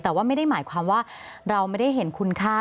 แต่ว่าไม่ได้หมายความว่าเราไม่ได้เห็นคุณค่า